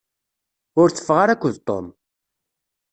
Ur teffɣeɣ ara akked Tom.